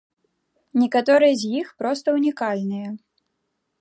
Некаторыя з іх проста ўнікальныя.